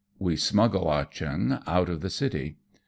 WE SMUGGLE AH CHEONG OCT OF THE CllY.